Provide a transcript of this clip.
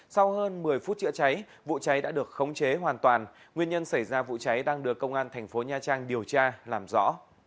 sau hơn một mươi phút chữa cháy vụ cháy đã được khống chế hoàn toàn nguyên nhân xảy ra vụ cháy đang được công an thành phố nha trang điều tra làm rõ